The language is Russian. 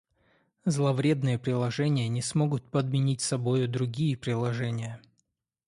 Зловредные приложения не смогут подменить собою другие приложения